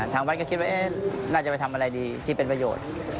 ทางวัดก็คิดว่าน่าจะไปทำอะไรดีที่เป็นประโยชน์